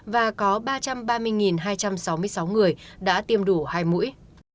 và có ba trăm ba mươi hai trăm sáu mươi sáu người đã tiêm đủ hai mũi